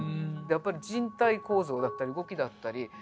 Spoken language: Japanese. やっぱり人体構造だったり動きだったり